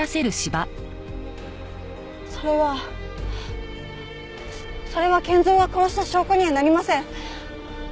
それはそれは健三が殺した証拠にはなりません。